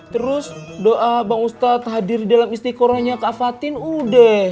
terus doa bang ustadz hadir dalam istiqorahnya kak fatin udah